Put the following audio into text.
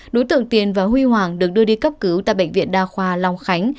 đối tượng tiền và huy hoàng được đưa đi cấp cứu tại bệnh viện đa khoa long khánh